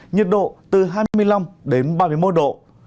nhiệt độ từ hai mươi năm đến ba mươi một độ